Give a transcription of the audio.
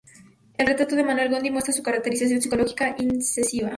El "Retrato de Manuel Godoy" muestra una caracterización psicológica incisiva.